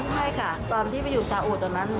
ใช่ค่ะตอนที่ไปอยู่ซาอูตอนนั้น